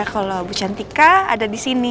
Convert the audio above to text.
kalau bu cantika ada disini